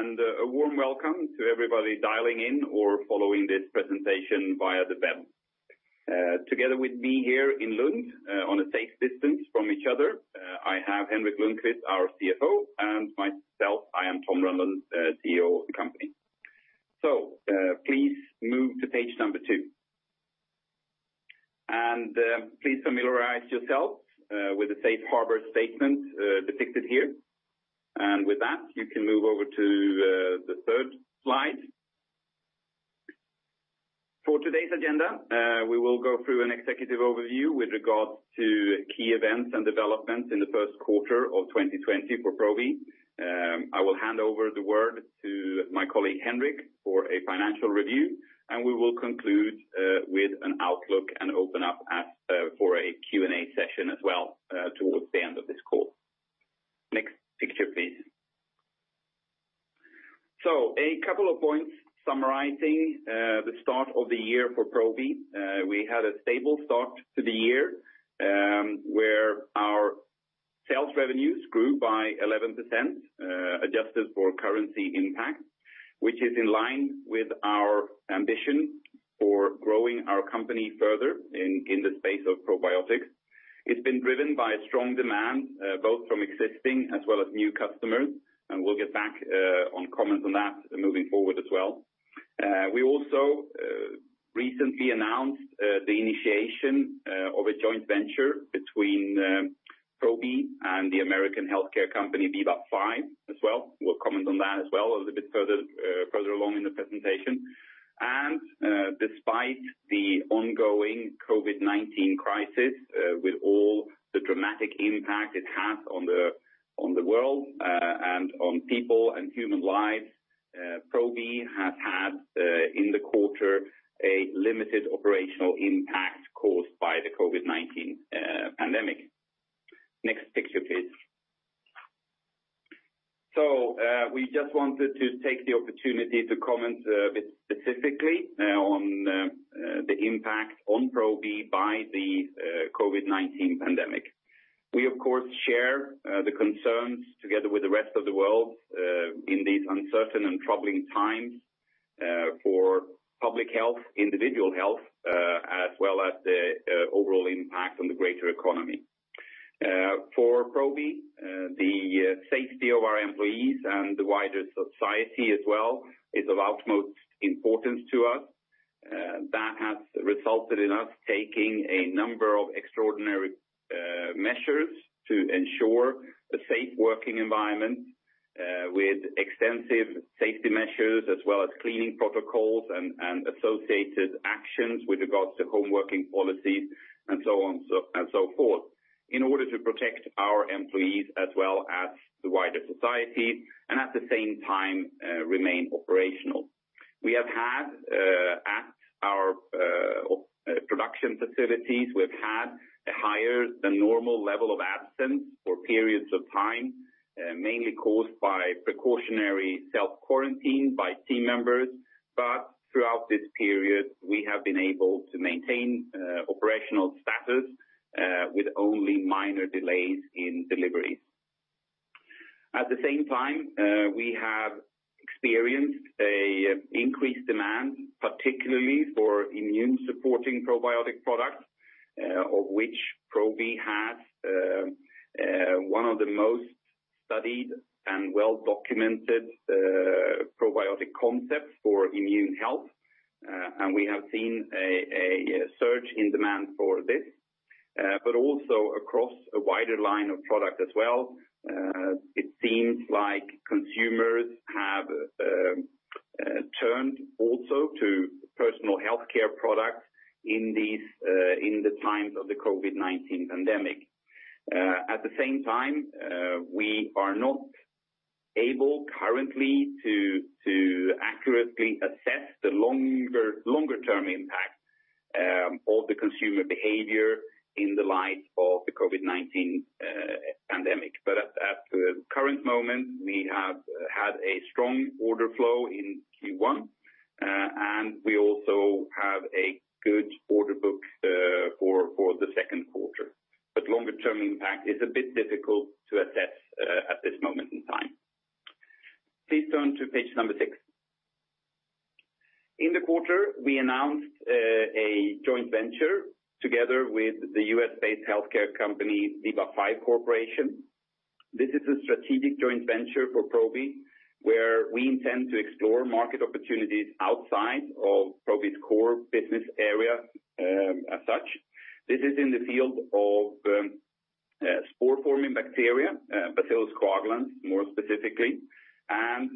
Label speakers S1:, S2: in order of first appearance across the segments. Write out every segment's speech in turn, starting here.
S1: Thank you. A warm welcome to everybody dialing in or following this presentation via the web. Together with me here in Lund, on a safe distance from each other, I have Henrik Lundkvist, our CFO, and myself, I am Tom Rönnlund, CEO of the company. Please move to page number two. Please familiarize yourself with the safe harbor statement depicted here. With that, you can move over to the third slide. For today's agenda, we will go through an executive overview with regards to key events and developments in the first quarter of 2020 for Probi. I will hand over the word to my colleague, Henrik, for a financial review, and we will conclude with an outlook and open up for a Q&A session as well towards the end of this call. Next picture, please. A couple of points summarizing the start of the year for Probi. We had a stable start to the year, where our sales revenues grew by 11%, adjusted for currency impact, which is in line with our ambition for growing our company further in the space of probiotics. It's been driven by a strong demand, both from existing as well as new customers, we'll get back on comments on that moving forward as well. We also recently announced the initiation of a joint venture between Probi and the American healthcare company, Viva5 as well. We'll comment on that as well a little bit further along in the presentation. Despite the ongoing COVID-19 crisis, with all the dramatic impact it has on the world and on people and human lives, Probi has had, in the quarter, a limited operational impact caused by the COVID-19 pandemic. Next picture, please. We just wanted to take the opportunity to comment a bit specifically on the impact on Probi by the COVID-19 pandemic. We, of course, share the concerns together with the rest of the world in these uncertain and troubling times for public health, individual health, as well as the overall impact on the greater economy. For Probi, the safety of our employees and the wider society as well is of utmost importance to us. That has resulted in us taking a number of extraordinary measures to ensure a safe working environment with extensive safety measures as well as cleaning protocols and associated actions with regards to home working policies and so on and so forth, in order to protect our employees as well as the wider society, and at the same time, remain operational. We have had, at our production facilities, we've had a higher than normal level of absence for periods of time, mainly caused by precautionary self-quarantine by team members. Throughout this period, we have been able to maintain operational status with only minor delays in deliveries. At the same time, we have experienced increased demand, particularly for immune-supporting probiotic products, of which Probi has one of the most studied and well-documented probiotic concepts for immune health, and we have seen a surge in demand for this. Also across a wider line of product as well, it seems like consumers have turned also to personal healthcare products in the times of the COVID-19 pandemic. At the same time, we are not able currently to accurately assess the longer term impact of the consumer behavior in the light of the COVID-19 pandemic. At the current moment, we have had a strong order flow in Q1, and we also have a good order book for the second quarter. Longer term impact is a bit difficult to assess at this moment in time. Please turn to page number six. In the quarter, we announced a joint venture together with the U.S.-based healthcare company, Viva5 Corporation. This is a strategic joint venture for Probi, where we intend to explore market opportunities outside of Probi's core business area as such. This is in the field of spore-forming bacteria, Bacillus coagulans, more specifically, and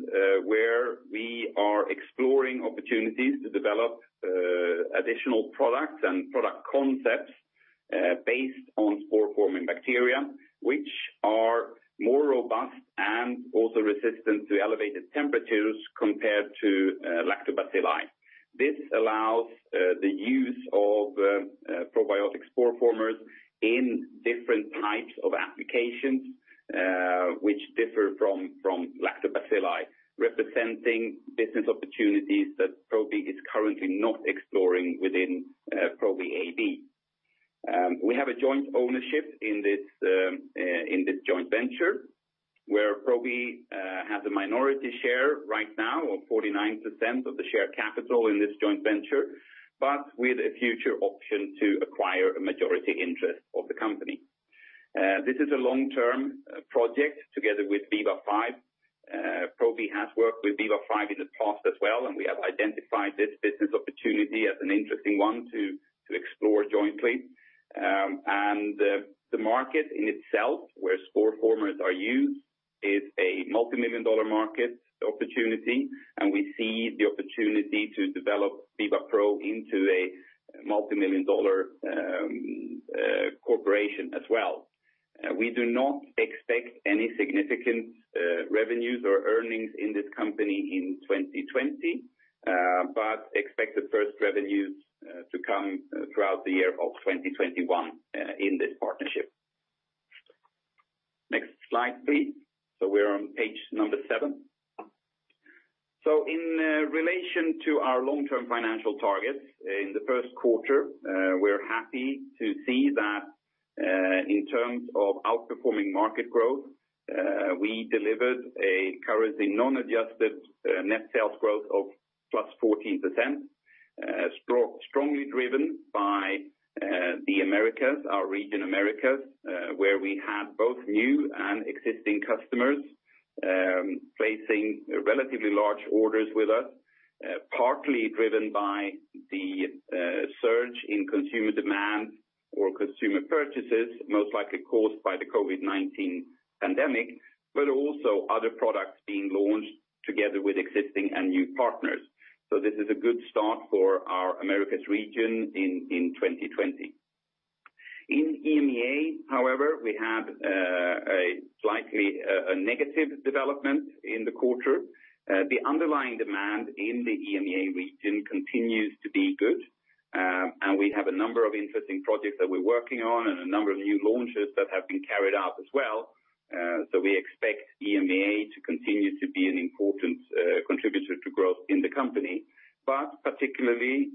S1: where we are exploring opportunities to develop additional products and product concepts based on spore-forming bacteria, which are more robust and also resistant to elevated temperatures compared to lactobacilli. This allows the use of probiotic spore formers in different types of applications, which differ from lactobacilli, representing business opportunities that Probi is currently not exploring within Probi AB. We have a joint ownership in this joint venture, where Probi has a minority share right now of 49% of the share capital in this joint venture, but with a future option to acquire a majority interest of the company. This is a long-term project together with Viva 5. Probi has worked with Viva 5 in the past as well. We have identified this business opportunity as an interesting one to explore jointly. The market in itself, where spore formers are used, is a multimillion-dollar market opportunity. We see the opportunity to develop VivaPro into a multimillion-dollar corporation as well. We do not expect any significant revenues or earnings in this company in 2020, but expect the first revenues to come throughout the year of 2021 in this partnership. Next slide, please. We are on page number seven. In relation to our long-term financial targets in the first quarter, we are happy to see that in terms of outperforming market growth we delivered a currency non-adjusted net sales growth of +14%, strongly driven by the Americas, our region Americas, where we had both new and existing customers placing relatively large orders with us, partly driven by the surge in consumer demand or consumer purchases, most likely caused by the COVID-19 pandemic, but also other products being launched together with existing and new partners. This is a good start for our Americas region in 2020. In EMEA, however, we had a slightly negative development in the quarter. The underlying demand in the EMEA region continues to be good. We have a number of interesting projects that we're working on and a number of new launches that have been carried out as well. We expect EMEA to continue to be an important contributor to growth in the company. Particularly,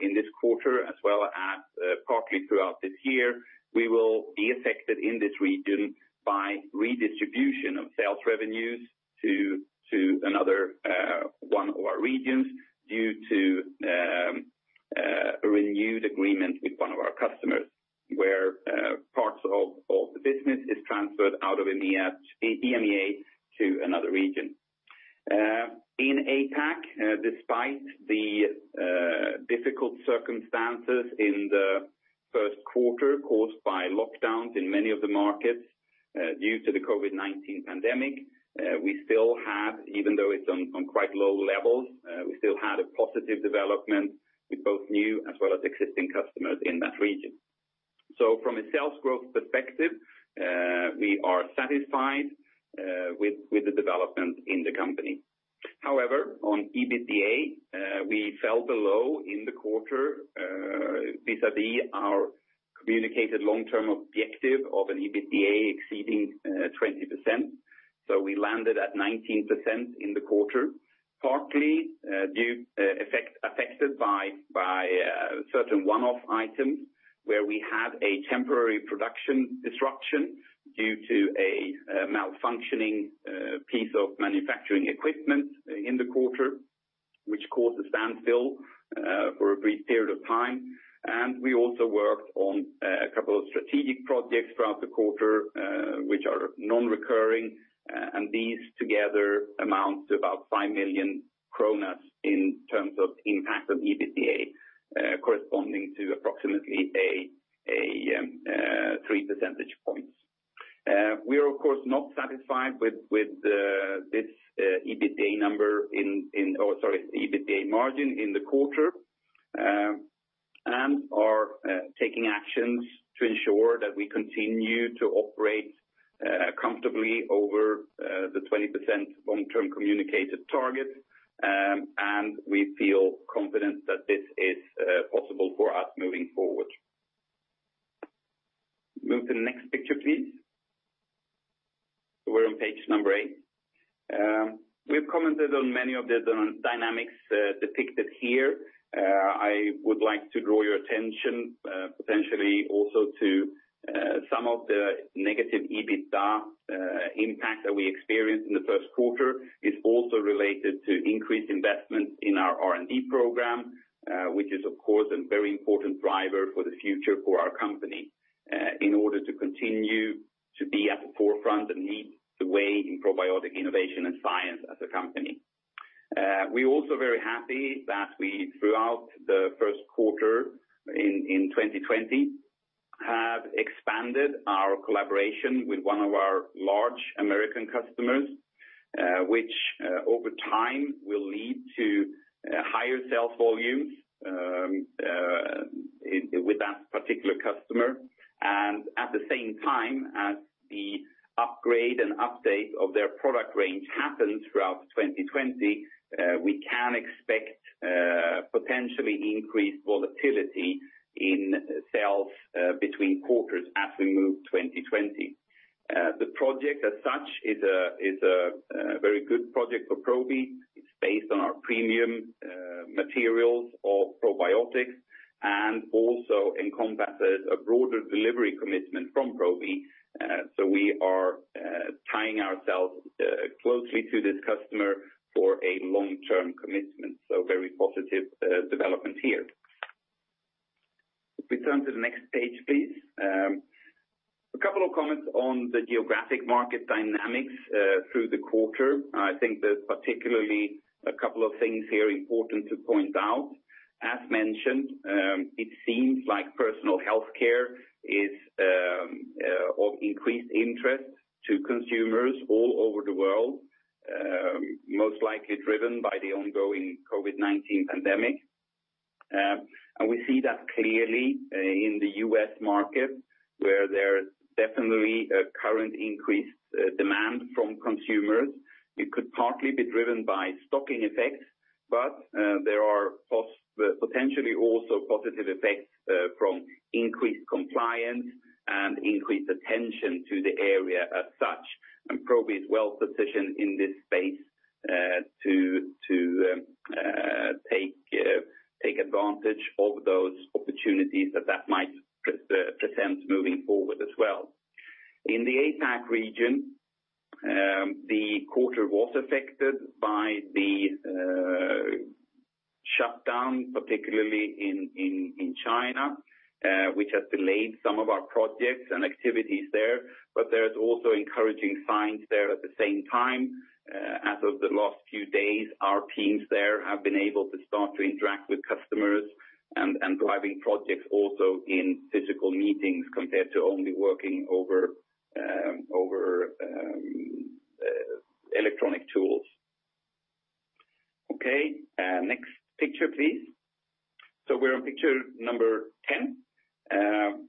S1: in this quarter as well as partly throughout this year, we will be affected in this region by redistribution of sales revenues to another one of our regions due to a renewed agreement with one of our customers, where parts of the business is transferred out of EMEA to another region. In APAC, despite the difficult circumstances in the first quarter caused by lockdowns in many of the markets due to the COVID-19 pandemic, we still have, even though it's on quite low levels, we still had a positive development with both new as well as existing customers in that region. From a sales growth perspective, we are satisfied with the development in the company. However, on EBITDA, we fell below in the quarter vis-à-vis our communicated long-term objective of an EBITDA exceeding 20%. We landed at 19% in the quarter, partly affected by certain one-off items where we had a temporary production disruption due to a malfunctioning piece of manufacturing equipment in the quarter, which caused a standstill for a brief period of time. We also worked on a couple of strategic projects throughout the quarter, which are non-recurring, and these together amount to about 5 million kronor in terms of impact on EBITDA, corresponding to approximately 3 percentage points. We are, of course, not satisfied with this EBITDA margin in the quarter, and are taking actions to ensure that we continue to operate comfortably over the 20% long-term communicated target. We feel confident that this is possible for us moving forward. Move to the next picture, please. We're on page eight. We've commented on many of the dynamics depicted here. I would like to draw your attention potentially also to some of the negative EBITDA impact that we experienced in the first quarter is also related to increased investment in our R&D program, which is, of course, a very important driver for the future for our company in order to continue to be at the forefront and lead the way in probiotic innovation and science as a company. We're also very happy that we, throughout the first quarter in 2020, have expanded our collaboration with one of our large American customers, which over time will lead to higher sales volumes with that particular customer. At the same time, as the upgrade and update of their product range happens throughout 2020, we can expect potentially increased volatility in sales between quarters as we move 2020. The project as such is a very good project for Probi. It's based on our premium materials of probiotics, and also encompasses a broader delivery commitment from Probi. We are tying ourselves closely to this customer for a long-term commitment, so very positive development here. If we turn to the next page, please. A couple of comments on the geographic market dynamics through the quarter. I think there's particularly a couple of things here important to point out. As mentioned, it seems like personal healthcare is of increased interest to consumers all over the world, most likely driven by the ongoing COVID-19 pandemic. We see that clearly in the U.S. market, where there is definitely a current increased demand from consumers. It could partly be driven by stocking effects, there are potentially also positive effects from increased compliance and increased attention to the area as such. Probi is well-positioned in this space to take advantage of those opportunities that might present moving forward as well. In the APAC region, the quarter was affected by the shutdown, particularly in China, which has delayed some of our projects and activities there. There is also encouraging signs there at the same time. As of the last few days, our teams there have been able to start to interact with customers and driving projects also in physical meetings, compared to only working over electronic tools. Okay, next picture, please. We're on picture number 10,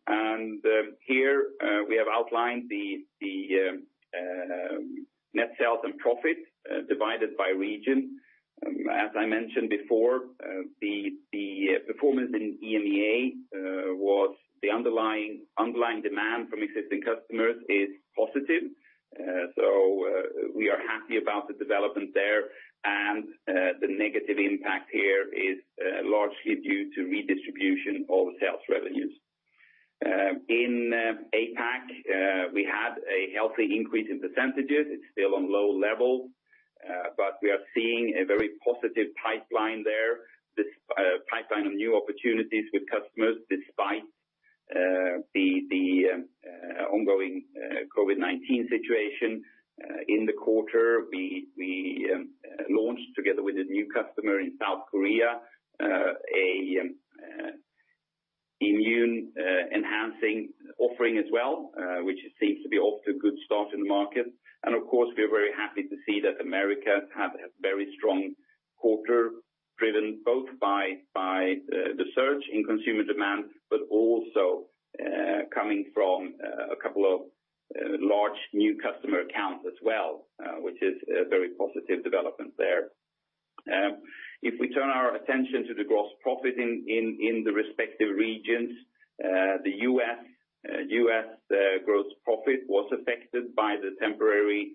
S1: and here we have outlined the net sales and profit divided by region. As I mentioned before, the performance in EMEA was the underlying demand from existing customers is positive, so we are happy about the development there. The negative impact here is largely due to redistribution of sales revenues. In APAC, we had a healthy increase in percentages. It's still on low levels, but we are seeing a very positive pipeline there. This pipeline of new opportunities with customers, despite the ongoing COVID-19 situation. In the quarter, we launched together with a new customer in South Korea, a immune-enhancing offering as well, which seems to be off to a good start in the market. Of course, we are very happy to see that America had a very strong quarter, driven both by the surge in consumer demand, but also coming from a couple of large new customer accounts as well, which is a very positive development there. If we turn our attention to the gross profit in the respective regions, the U.S. gross profit was affected by the temporary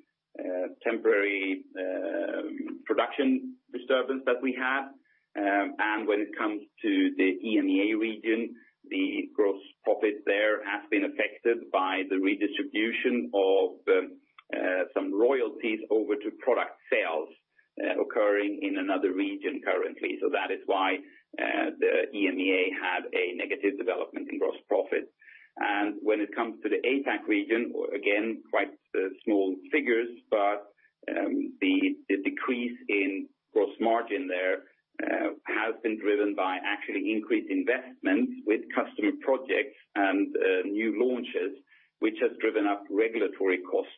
S1: production disturbance that we had. When it comes to the EMEA region, the gross profit there has been affected by the redistribution of some royalties over to product sales occurring in another region currently. That is why the EMEA had a negative development in gross profit. When it comes to the APAC region, again, quite small figures, but the decrease in gross margin there has been driven by actually increased investments with customer projects and new launches, which has driven up regulatory costs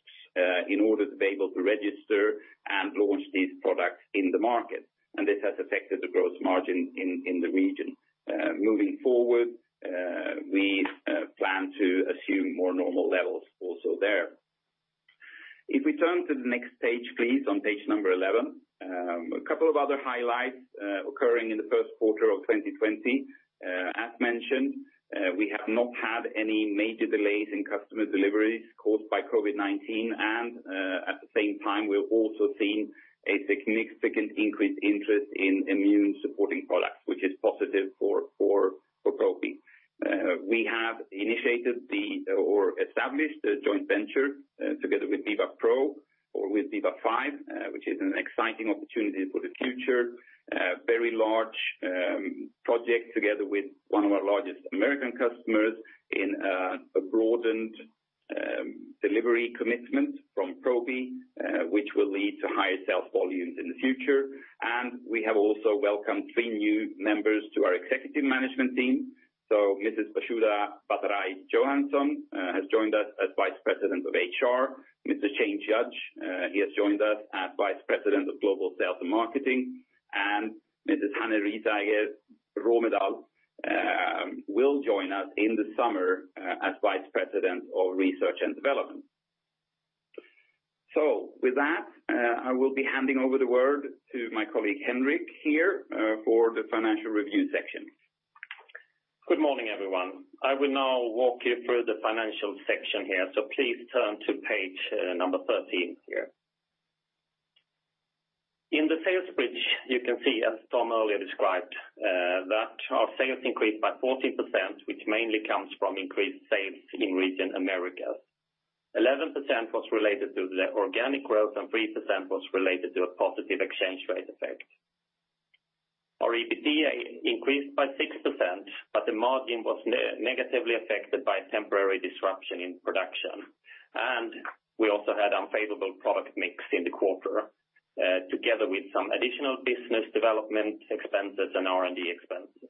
S1: in order to be able to register and launch these products in the market. This has affected the gross margin in the region. Moving forward, we plan to assume more normal levels also there. If we turn to the next page, please, on page number 11. A couple of other highlights occurring in the first quarter of 2020. As mentioned, we have not had any major delays in customer deliveries caused by COVID-19, and at the same time, we've also seen a significant increased interest in immune supporting products, which is positive for Probi. We have initiated or established a joint venture together with VivaPro or with Viva5, which is an exciting opportunity for the future. Very large project together with one of our largest American customers in a broadened delivery commitment from Probi, which will lead to higher sales volumes in the future. We have also welcomed three new members to our executive management team. Mrs. Basudha Bhattarai-Johansson has joined us as Vice President of HR, Mr. Shane Judge, he has joined us as Vice President of Global Sales and Marketing, and Mrs. Hanne Risager-Romedahl will join us in the summer as Vice President of Research and Development. I will be handing over the word to my colleague Henrik here for the financial review section.
S2: Good morning, everyone. I will now walk you through the financial section here, so please turn to page number 13 here. In the sales bridge, you can see, as Tom earlier described, that our sales increased by 14%, which mainly comes from increased sales in region Americas. 11% was related to the organic growth, and 3% was related to a positive exchange rate effect. Our EBITDA increased by 6%, but the margin was negatively affected by temporary disruption in production. We also had unfavorable product mix in the quarter, together with some additional business development expenses and R&D expenses.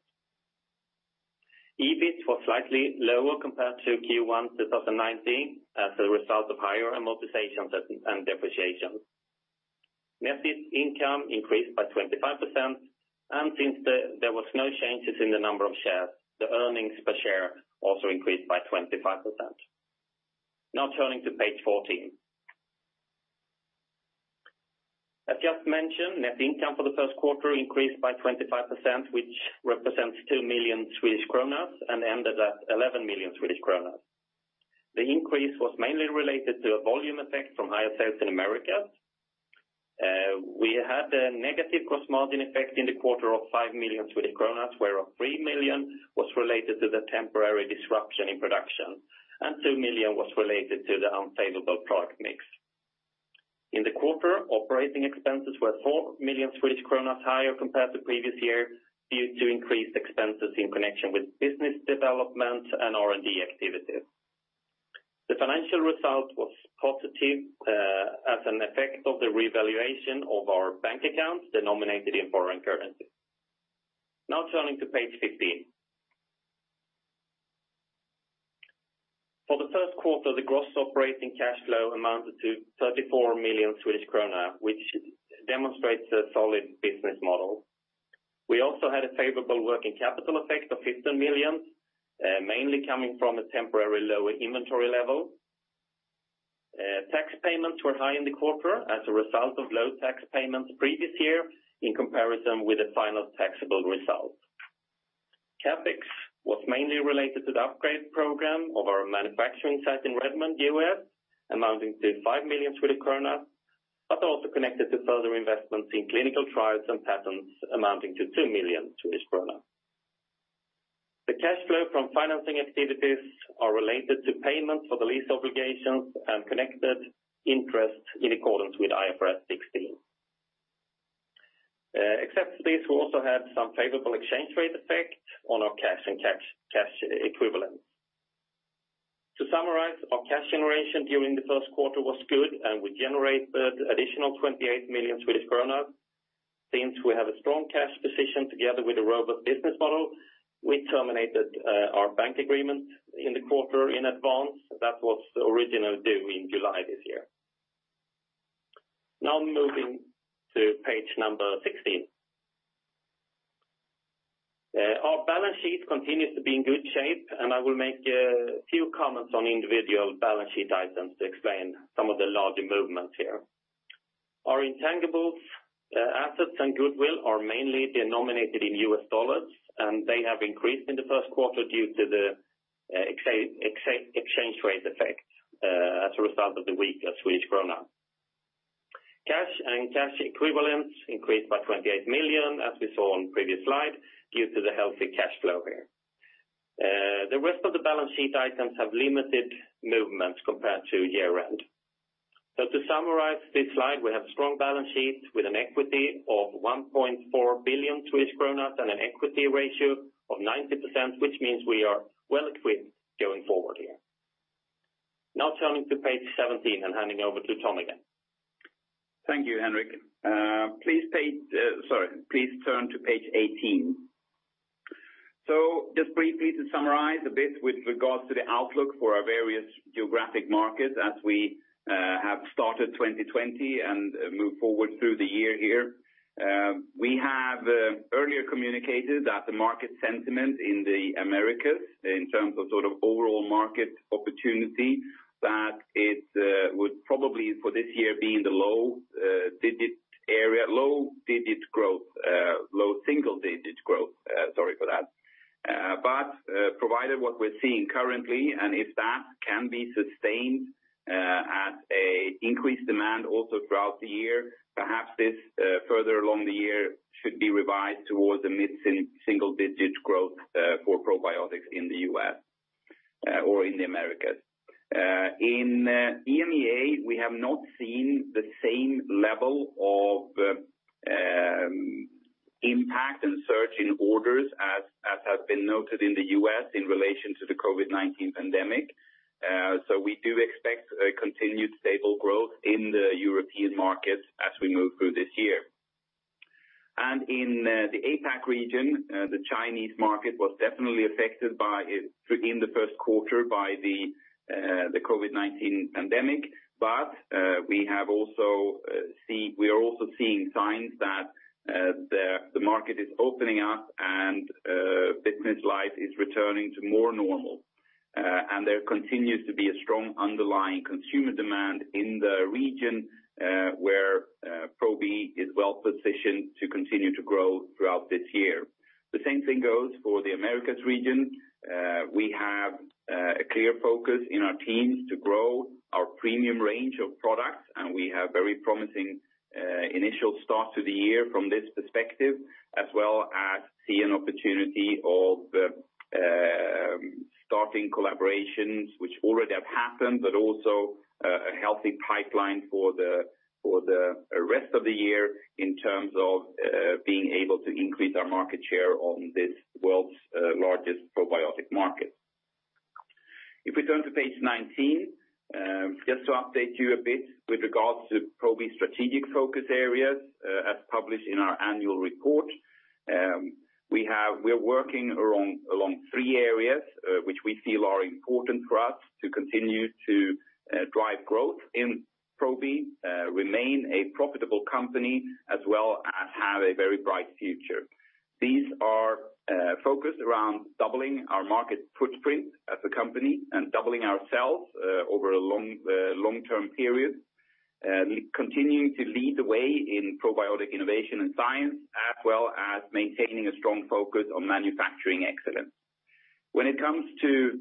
S2: EBIT was slightly lower compared to Q1 2019 as a result of higher amortizations and depreciations. Net income increased by 25%, and since there was no changes in the number of shares, the earnings per share also increased by 25%. Now turning to page 14. As just mentioned, net income for the first quarter increased by 25%, which represents 2 million Swedish kronor, and ended at 11 million Swedish kronor. The increase was mainly related to a volume effect from higher sales in Americas. We had a negative gross margin effect in the quarter of 5 million Swedish kronor, where 3 million was related to the temporary disruption in production, and 2 million was related to the unfavorable product mix. In the quarter, operating expenses were 4 million Swedish kronor higher compared to previous year, due to increased expenses in connection with business development and R&D activities. The financial result was positive as an effect of the revaluation of our bank accounts denominated in foreign currency. Turning to page 15. For the first quarter, the gross operating cash flow amounted to 34 million Swedish krona, which demonstrates a solid business model. We also had a favorable working capital effect of 15 million, mainly coming from a temporary lower inventory level. Tax payments were high in the quarter as a result of low tax payments previous year in comparison with the final taxable result. CapEx was mainly related to the upgrade program of our manufacturing site in Redmond, U.S., amounting to 5 million Swedish kronor, also connected to further investments in clinical trials and patents amounting to 2 million Swedish kronor. The cash flow from financing activities are related to payments for the lease obligations and connected interest in accordance with IFRS 16. Except this, we also had some favorable exchange rate effect on our cash and cash equivalents. To summarize, our cash generation during the first quarter was good, and we generated additional 28 million Swedish kronor. Since we have a strong cash position together with a robust business model, we terminated our bank agreement in the quarter in advance. That was originally due in July this year. Now moving to page number 16. Our balance sheet continues to be in good shape, and I will make a few comments on individual balance sheet items to explain some of the larger movements here. Our intangible assets and goodwill are mainly denominated in U.S. dollars, and they have increased in the first quarter due to the exchange rate effect as a result of the weaker Swedish krona. Cash and cash equivalents increased by 28 million, as we saw on the previous slide, due to the healthy cash flow here. The rest of the balance sheet items have limited movements compared to year-end. To summarize this slide, we have a strong balance sheet with an equity of 1.4 billion kronor and an equity ratio of 90%, which means we are well-equipped going forward here. Turning to page 17 and handing over to Tom again.
S1: Thank you, Henrik. Please turn to page 18. Just briefly to summarize a bit with regards to the outlook for our various geographic markets as we have started 2020 and move forward through the year here. We have earlier communicated that the market sentiment in the Americas, in terms of sort of overall market opportunity, that it would probably for this year be in the low digit growth, low single digit growth. Sorry for that. Provided what we're seeing currently, and if that can be sustained at a increased demand also throughout the year, perhaps this further along the year should be revised towards a mid-single digit growth for probiotics in the U.S. or in the Americas. In EMEA, we have not seen the same level of impact and surge in orders as has been noted in the U.S. in relation to the COVID-19 pandemic. We do expect a continued stable growth in the European market as we move through this year. In the APAC region, the Chinese market was definitely affected in the first quarter by the COVID-19 pandemic, but we are also seeing signs that the market is opening up and business life is returning to more normal. There continues to be a strong underlying consumer demand in the region, where Probi is well-positioned to continue to grow throughout this year. The same thing goes for the Americas region. We have a clear focus in our teams to grow our premium range of products, and we have very promising initial start to the year from this perspective, as well as see an opportunity of starting collaborations, which already have happened, but also a healthy pipeline for the rest of the year in terms of being able to increase our market share on this world's largest probiotic market. If we turn to page 19, just to update you a bit with regards to Probi strategic focus areas, as published in our annual report. We are working along three areas, which we feel are important for us to continue to drive growth in Probi, remain a profitable company, as well as have a very bright future. These are focused around doubling our market footprint as a company and doubling ourselves over a long-term period, continuing to lead the way in probiotic innovation and science, as well as maintaining a strong focus on manufacturing excellence. When it comes to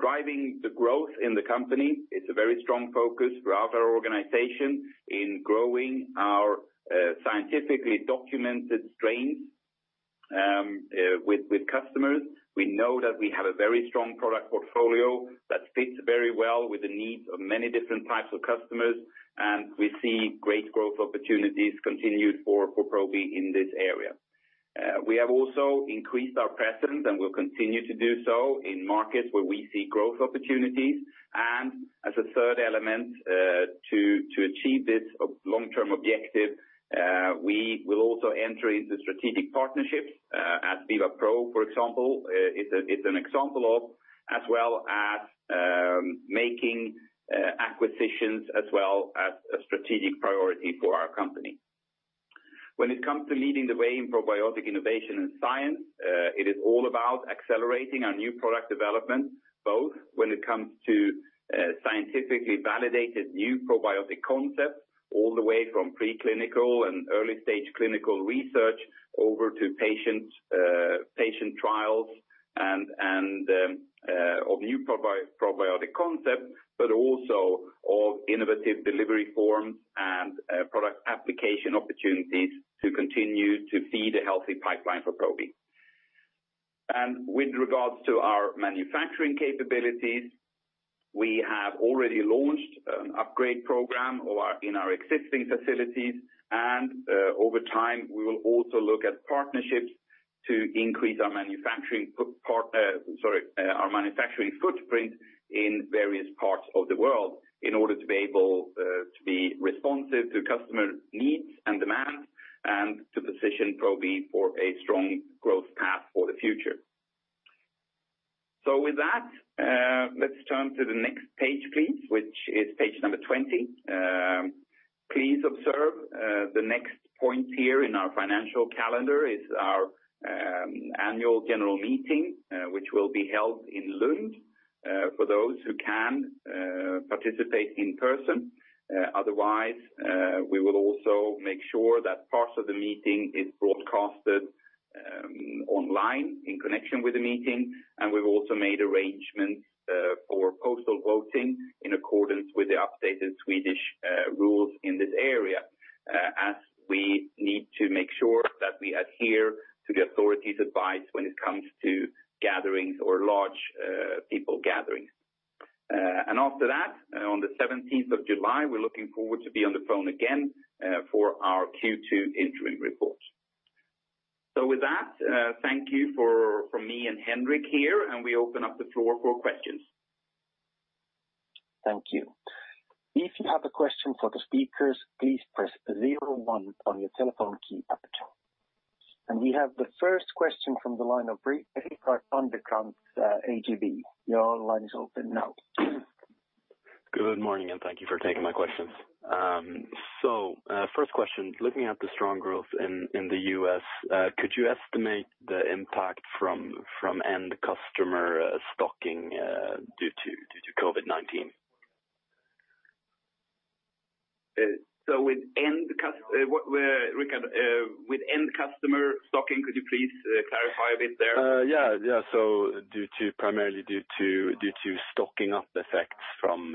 S1: driving the growth in the company, it's a very strong focus for our organization in growing our scientifically documented strains with customers. We know that we have a very strong product portfolio that fits very well with the needs of many different types of customers, and we see great growth opportunities continued for Probi in this area. We have also increased our presence, and will continue to do so in markets where we see growth opportunities. As a third element to achieve this long-term objective, we will also enter into strategic partnerships as VivaPro, for example, is an example of, as well as making acquisitions as well as a strategic priority for our company. When it comes to leading the way in probiotic innovation and science, it is all about accelerating our new product development, both when it comes to scientifically validated new probiotic concepts, all the way from pre-clinical and early-stage clinical research over to patient trials of new probiotic concepts, but also of innovative delivery forms and product application opportunities to continue to feed a healthy pipeline for Probi. With regards to our manufacturing capabilities, we have already launched an upgrade program in our existing facilities. Over time, we will also look at partnerships to increase our manufacturing footprint in various parts of the world in order to be able to be responsive to customer needs and demands, and to position Probi for a strong growth path for the future. With that, let's turn to the next page, please, which is page number 20. Please observe the next point here in our financial calendar is our annual general meeting, which will be held in Lund, for those who can participate in person. Otherwise, we will also make sure that parts of the meeting is broadcasted online in connection with the meeting, and we've also made arrangements for postal voting in accordance with the updated Swedish rules in this area, as we need to make sure that we adhere to the authorities' advice when it comes to gatherings or large people gatherings. After that, on the 17th of July, we're looking forward to be on the phone again for our Q2 interim report. With that, thank you from me and Henrik here. We open up the floor for questions.
S3: Thank you. If you have a question for the speakers, please press zero one on your telephone keypad. We have the first question from the line of Rickard Anderkrans, ABG. Your line is open now.
S4: Good morning, and thank you for taking my questions. First question, looking at the strong growth in the U.S., could you estimate the impact from end customer stocking due to COVID-19?
S1: So, Rickard, with end customer stocking, could you please clarify a bit there?
S4: Yeah. Primarily due to stocking up effects from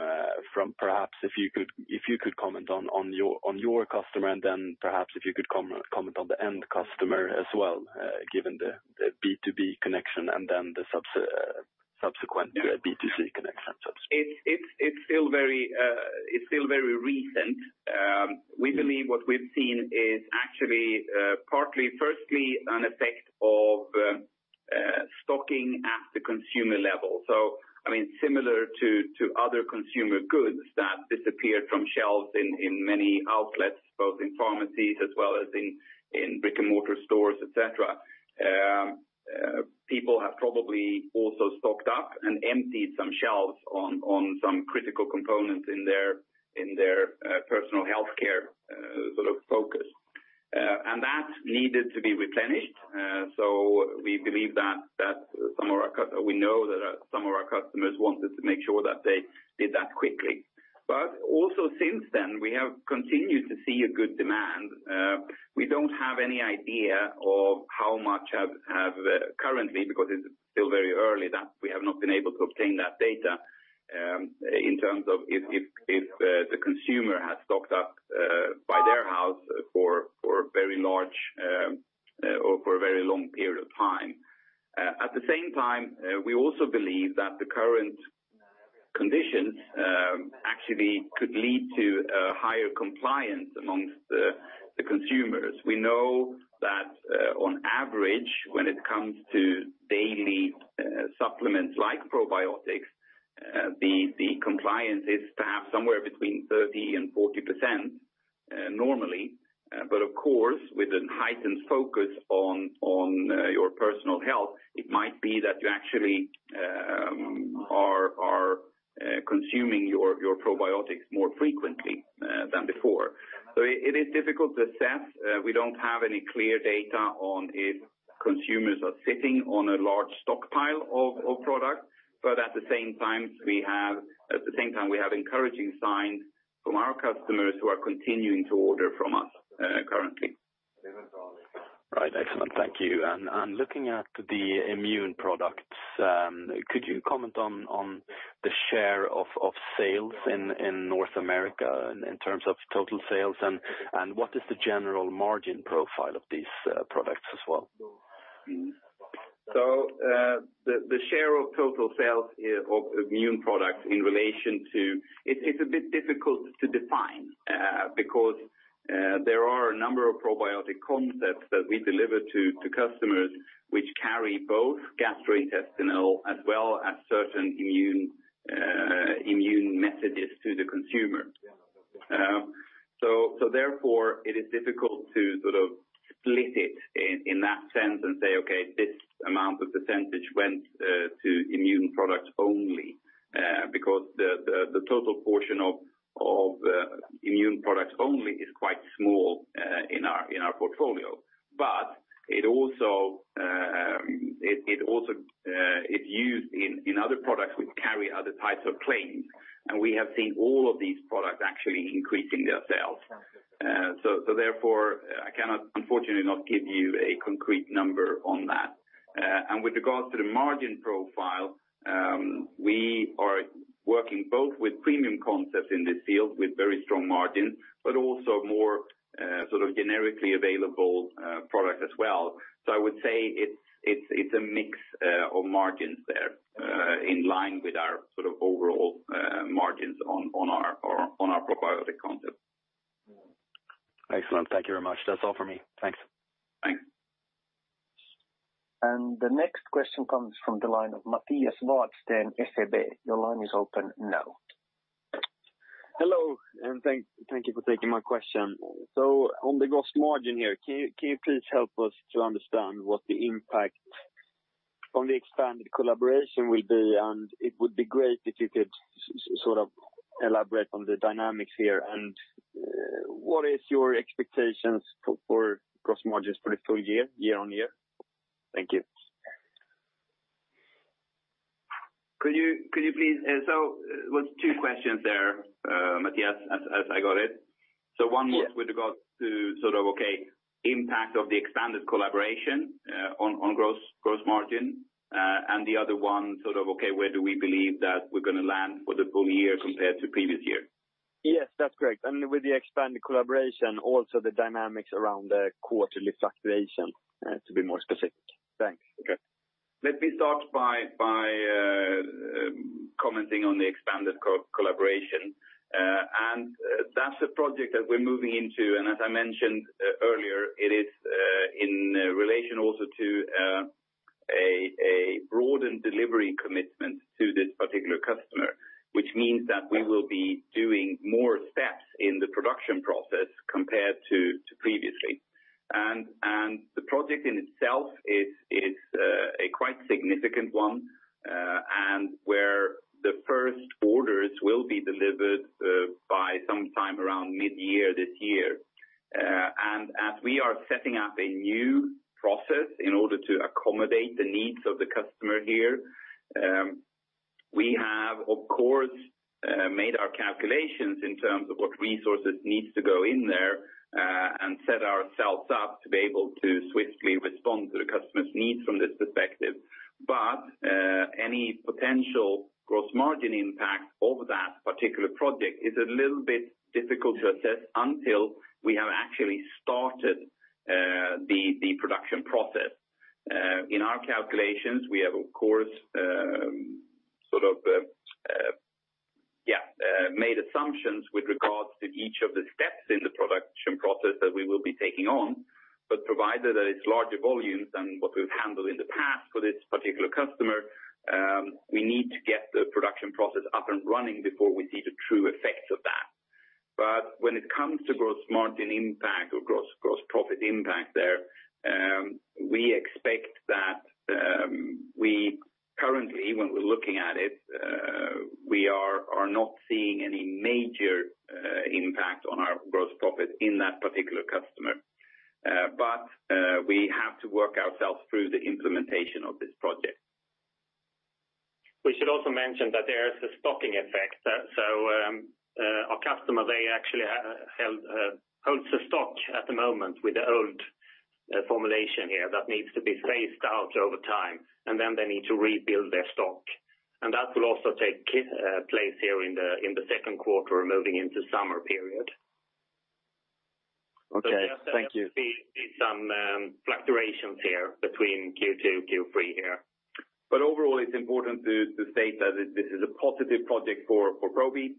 S4: perhaps if you could comment on your customer and then perhaps if you could comment on the end customer as well, given the B2B connection and then the subsequent B2C connection.
S1: It's still very recent. We believe what we've seen is actually partly, firstly, an effect of stocking at the consumer level. Similar to other consumer goods that disappeared from shelves in many outlets, both in pharmacies as well as in brick-and-mortar stores, et cetera. People have probably also stocked up and emptied some shelves on some critical components in their personal healthcare focus. That needed to be replenished. We know that some of our customers wanted to make sure that they did that quickly. Also since then, we have continued to see a good demand. We don't have any idea of how much have currently, because it's still very early, that we have not been able to obtain that data, in terms of if the consumer has stocked up by their house for a very long period of time. At the same time, we also believe that the current conditions actually could lead to a higher compliance amongst the consumers. We know that on average, when it comes to daily supplements like probiotics, the compliance is perhaps somewhere between 30%-40% normally. Of course, with a heightened focus on your personal health, it might be that you actually are consuming your probiotics more frequently than before. It is difficult to assess. We don't have any clear data on if consumers are sitting on a large stockpile of product, at the same time we have encouraging signs from our customers who are continuing to order from us currently.
S4: Right. Excellent. Thank you. Looking at the immune products, could you comment on the share of sales in North America in terms of total sales and what is the general margin profile of these products as well?
S1: The share of total sales of immune products. It is a bit difficult to define because there are a number of probiotic concepts that we deliver to customers which carry both gastrointestinal as well as certain immune messages to the consumer. Therefore it is difficult to split it in that sense and say, okay, this amount of percentage went to immune products only. The total portion of immune products only is quite small in our portfolio. It also is used in other products which carry other types of claims. We have seen all of these products actually increasing their sales. Therefore, I cannot, unfortunately not give you a concrete number on that. With regards to the margin profile, we are working both with premium concepts in this field with very strong margins, but also more generically available products as well. I would say it's a mix of margins there, in line with our overall margins on our probiotic concept.
S4: Excellent. Thank you very much. That's all for me. Thanks.
S1: Thanks.
S3: The next question comes from the line of Mattias Vadsten, SEB. Your line is open now.
S5: Hello, thank you for taking my question. On the gross margin here, can you please help us to understand what the impact on the expanded collaboration will be? It would be great if you could elaborate on the dynamics here. What is your expectations for gross margins for the full year-on-year? Thank you.
S1: It was two questions there, Mattias, as I got it. One was with regards to impact of the expanded collaboration on gross margin. The other one, where do we believe that we're going to land for the full year compared to previous year?
S5: Yes, that's correct. With the expanded collaboration, also the dynamics around the quarterly fluctuation, to be more specific. Thanks.
S1: Okay. Let me start by commenting on the expanded collaboration. That's a project that we're moving into. As I mentioned earlier, it is in relation also to a broadened delivery commitment to this particular customer, which means that we will be doing more steps in the production process compared to previously. The project in itself is a quite significant one, and where the first orders will be delivered by sometime around mid-year this year. As we are setting up a new process in order to accommodate the needs of the customer here, we have, of course, made our calculations in terms of what resources needs to go in there, and set ourselves up to be able to swiftly respond to the customer's needs from this perspective. Any potential gross margin impact of that particular project is a little bit difficult to assess until we have actually started the production process. In our calculations, we have, of course, made assumptions with regards to each of the steps in the production process that we will be taking on, but provided that it's larger volumes than what we've handled in the past for this particular customer, we need to get the production process up and running before we see the true effects of that. When it comes to gross margin impact or gross profit impact there, we expect that we currently, when we're looking at it, we are not seeing any major impact on our gross profit in that particular customer. We have to work ourselves through the implementation of this project.
S2: We should also mention that there is a stocking effect. Our customer, they actually holds a stock at the moment with the old formulation here that needs to be phased out over time, and then they need to rebuild their stock. That will also take place here in the second quarter, moving into summer period.
S5: Okay. Thank you.
S2: Some fluctuations here between Q2, Q3 here.
S1: Overall it's important to state that this is a positive project for Probi.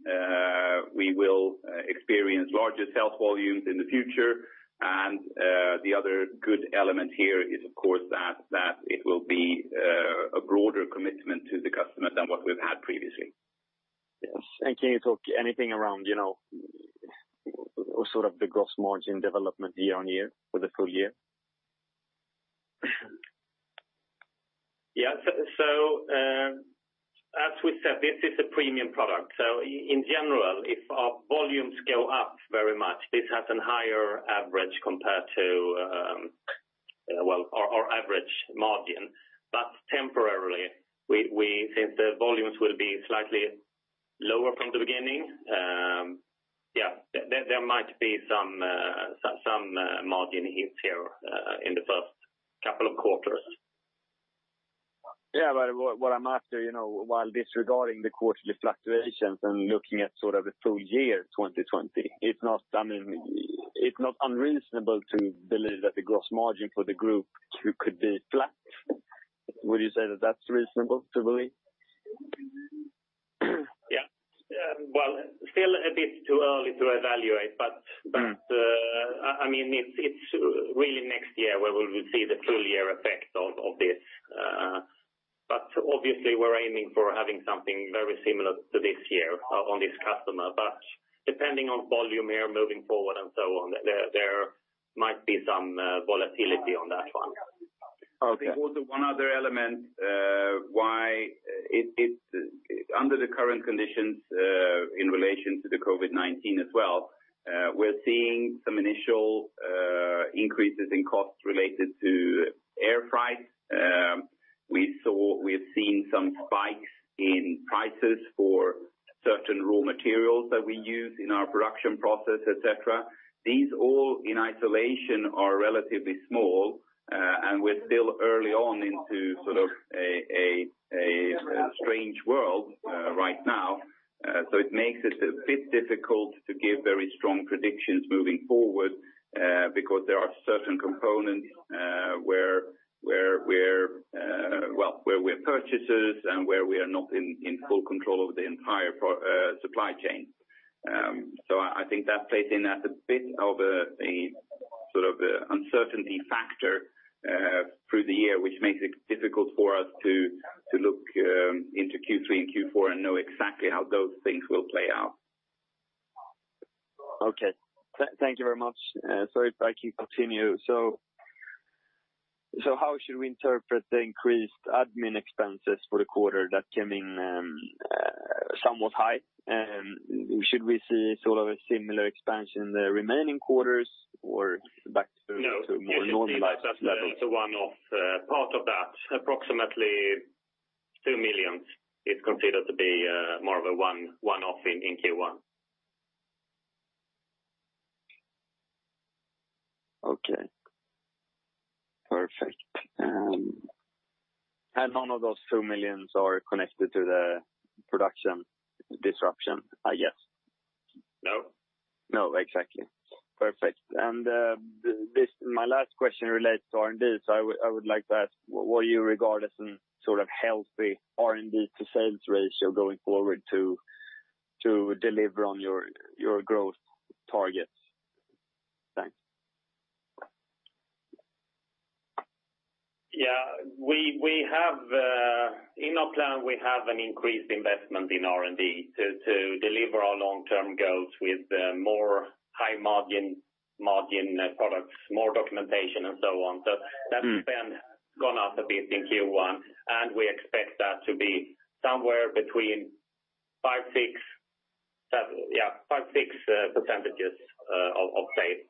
S1: We will experience larger sales volumes in the future and the other good element here is of course that it will be a broader commitment to the customer than what we've had previously.
S5: Yes. Can you talk anything around sort of the gross margin development year-on-year for the full year?
S2: Yeah. As we said, this is a premium product. In general, if our volumes go up very much, this has a higher average compared to our average margin. Temporarily, since the volumes will be slightly lower from the beginning, there might be some margin hits here in the first couple of quarters.
S5: Yeah, what I'm after while disregarding the quarterly fluctuations and looking at sort of a full year 2020, it's not unreasonable to believe that the gross margin for the group could be flat. Would you say that that's reasonable to believe?
S2: Yeah. Well, still a bit too early to evaluate, but it's really next year where we will see the full year effect of this. Obviously we're aiming for having something very similar to this year on this customer. Depending on volume here moving forward and so on, there might be some volatility on that one.
S1: I think also one other element why it's under the current conditions in relation to the COVID-19 as well, we're seeing some initial increases in costs related to airfreight. We've seen some spikes in prices for certain raw materials that we use in our production process, et cetera. These all in isolation are relatively small, and we're still early on into sort of a strange world right now. It makes it a bit difficult to give very strong predictions moving forward because there are certain components where we're purchasers and where we are not in full control of the entire supply chain. I think that plays in as a bit of a sort of uncertainty factor through the year, which makes it difficult for us to look into Q3 and Q4 and know exactly how those things will play out.
S5: Okay. Thank you very much. Sorry if I keep continue. How should we interpret the increased Admin expenses for the quarter that came in somewhat high? Should we see sort of a similar expansion in the remaining quarters or back to more normalized levels?
S2: No, it's a one-off part of that. Approximately 2 million is considered to be more of a one-off in Q1.
S5: Okay. Perfect. None of those 2 million are connected to the production disruption, I guess?
S2: No.
S5: No, exactly. Perfect. My last question relates to R&D. I would like to ask, what you regard as some sort of healthy R&D to sales ratio going forward to deliver on your growth targets? Thanks.
S2: Yeah. In our plan, we have an increased investment in R&D to deliver our long-term goals with more high margin products, more documentation and so on. That spend gone up a bit in Q1, and we expect that to be somewhere between 5-6 percentages of sales.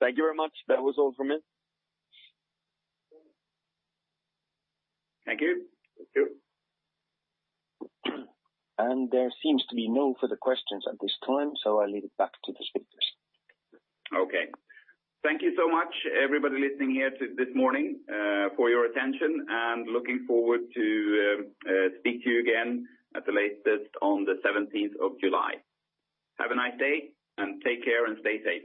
S5: Thank you very much. That was all from me.
S2: Thank you.
S1: Thank you.
S3: There seems to be no further questions at this time, so I leave it back to the speakers.
S1: Okay. Thank you so much everybody listening here this morning for your attention, and looking forward to speak to you again at the latest on the 17th of July. Have a nice day, and take care and stay safe